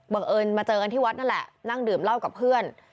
เอิญมาเจอกันที่วัดนั่นแหละนั่งดื่มเหล้ากับเพื่อน